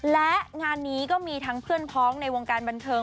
และงานนี้ก็มีทั้งเพื่อนพ้องในวงการบันเทิง